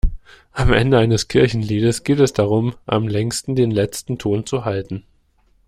Am Ende eines Kirchenliedes geht es darum, am längsten den letzten Ton zu halten.